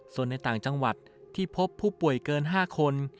ส่วนในต่างจังหวัดที่พบผู้ป่วยเกิน๕คน